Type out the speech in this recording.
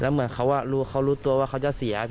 เหมือนเขารู้ตัวว่าเขาจะเสีย